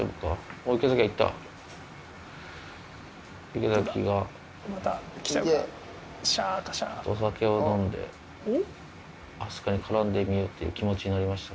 池崎がお酒を飲んで明日香に絡んでみようっていう気持ちになりました。